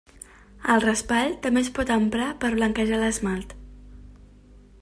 El raspall també es pot emprar per a blanquejar l'esmalt.